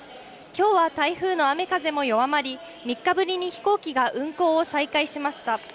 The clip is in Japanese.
きょうは台風の雨風も弱まり、３日ぶりに飛行機が運航を再開しました。